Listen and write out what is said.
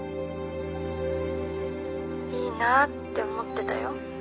いいなって思ってたよ。